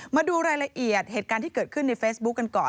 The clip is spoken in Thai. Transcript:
มาดูรายละเอียดเหตุการณ์ที่เกิดขึ้นในเฟซบุ๊คกันก่อน